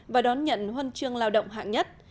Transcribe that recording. và đón nhận huân chương lao động hạng nhất